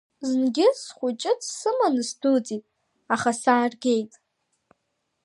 Знгьы схәыҷы дсыманы сдәылҵит, аха сааргеит.